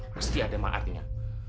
pasti ada mak artinya